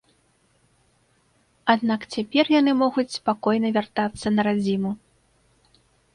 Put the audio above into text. Аднак цяпер яны могуць спакойна вяртацца на радзіму.